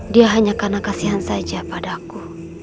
dia hanya karena kasihan saja padaku